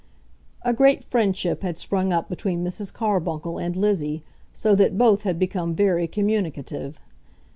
A great friendship had sprung up between Mrs. Carbuncle and Lizzie, so that both had become very communicative.